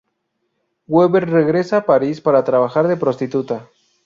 Weber regresa a París para trabajar de prostituta.